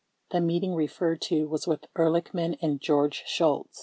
30 (The meeting referred to was with Ehrlichman and George Shultz.)